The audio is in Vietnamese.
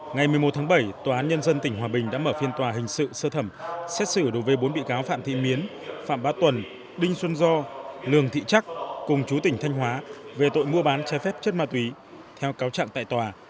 ngày một mươi một tháng bảy tòa án nhân dân tỉnh hòa bình đã mở phiên tòa hình sự sơ thẩm xét xử đối với bốn bị cáo phạm thị miến phạm bát tuần đinh xuân do lường thị trắc cùng chú tỉnh thanh hóa về tội mua bán trái phép chất ma túy theo cáo trạng tại tòa